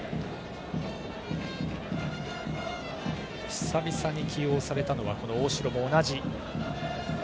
久々に起用されたのは大城も同じ。